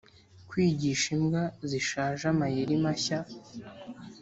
kwigisha imbwa zishaje amayeri mashya.